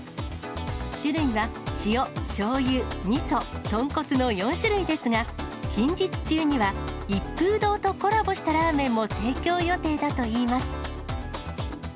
種類は塩、しょうゆ、みそ、豚骨の４種類ですが、近日中には、一風堂とコラボしたラーメンも提供予定だといいます。